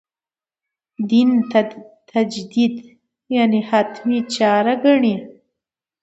دین تجدید «حتمي» چاره ګڼي.